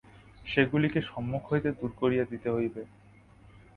সেগুলিকে সম্মুখ হইতে দূর করিয়া দিতে হইবে।